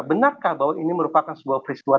benarkah bahwa ini merupakan sebuah peristiwa